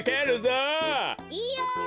いいよ！